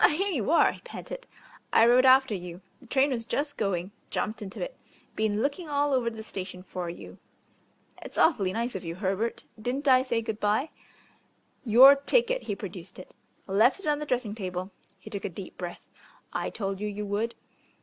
"Ah, here you are," he panted; "I rode after you the train was just going jumped into it been looking all over the station for you." "It's awfully nice of you, Herbert. Didn't I say good bye?" "Your ticket." He produced it. "Left it on the dressing table." He took a deep breath. "I told you you would."